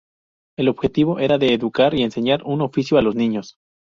El objetivo era el de educar y enseñar un oficio a los niños.